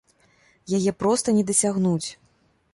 Яе проста не дасягнуць!